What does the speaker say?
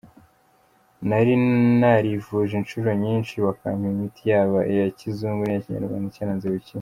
Nari narivuje inshuro nyinshi bakampa imiti yaba iya kizungu n’iya Kinyarwanda cyaranze gukira.